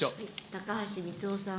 高橋光男さん。